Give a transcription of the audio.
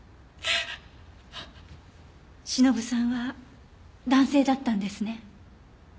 しのぶさんは男性だったんですね？